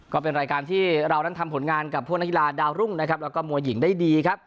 ก็เป็นรายการที่เราดันทำผลงานกับพวกนักฮิลาดาวรุ้งแล้วก็มวยหญิงได้ดี